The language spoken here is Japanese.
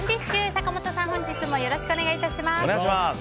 坂本さん、本日もよろしくお願いします。